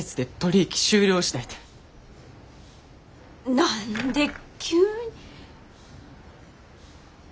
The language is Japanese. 何で急に。